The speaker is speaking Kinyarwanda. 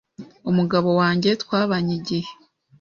Umugabo wange twabanye igihe